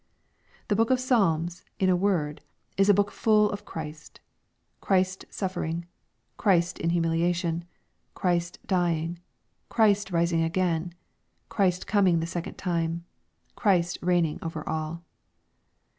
The book of Psalms, in a word, is a book full of Christ, — Christ suffering, — Christ in humiliation, — Christ dying, — Christ rising again, — Christ coming the second time, — Christ reign ing over all.